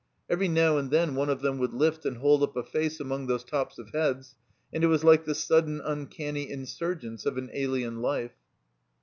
Every now and then one of them would lift and hold up a face among those tops of heads, and it was like the sudden uncanny insurgence of an alien life.